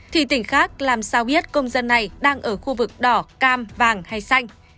thì tỉnh khác làm sao biết công dân này đang ở khu vực đỏ cam vàng hay xanh